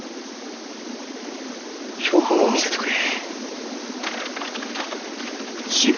標本を見せてくれ。